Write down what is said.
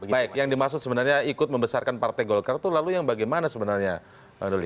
baik yang dimaksud sebenarnya ikut membesarkan partai golkar itu lalu yang bagaimana sebenarnya bang doli